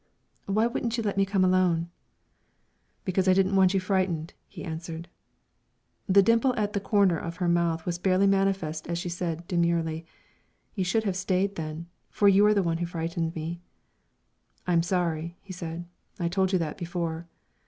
"Why wouldn't you let me come alone?" "Because I didn't want you frightened," he answered. The dimple at the corner of her mouth was barely manifest as she said, demurely, "You should have stayed, then; for you are the one who frightened me." "I'm sorry," he said. "I told you that before."